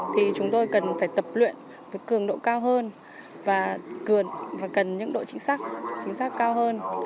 thì chúng tôi cần phải tập luyện với cường độ cao hơn và cần những độ chính xác cao hơn